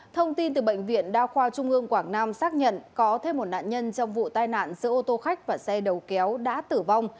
thông tin từ bệnh viện đa khoa trung ương quảng nam xác nhận có thêm một nạn nhân trong vụ tai nạn xe ô tô khách và xe đầu kéo đã tử vong